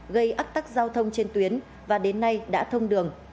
gây ách tắc giao thông trên tuyến và đến nay đã thông đường